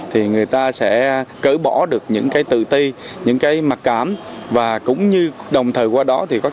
thì người ta sẽ cỡ bỏ được những cái tự ti những cái mặc cảm và cũng như đồng thời qua đó thì có